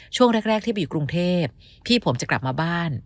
ช่วงแรกที่ไปอยู่กรุงเทพพี่ผมจะกลับมาบ้าน